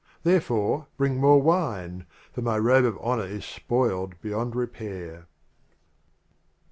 Therefore, bring more Wine! For my Robe of Honor is spoiled beyond Repair.